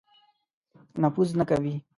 نفوذ نه کوي.